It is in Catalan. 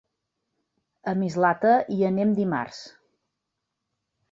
A Mislata hi anem dimarts.